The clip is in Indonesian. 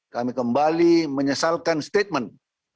kami kembali menyesalkan statement